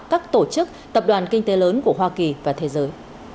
các tổ chức tập đoàn kinh tế lớn của hoa kỳ và thế giới